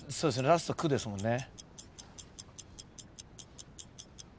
ラスト「く」ですもんね。